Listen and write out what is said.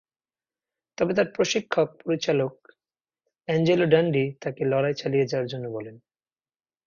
তবে তাঁর প্রশিক্ষক/পরিচালক অ্যাঞ্জেলো ডান্ডি তাঁকে লড়াই চালিয়ে যাওয়ার জন্য বলেন।